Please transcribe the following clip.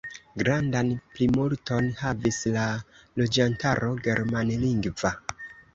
Grandan plimulton havis la loĝantaro germanlingva.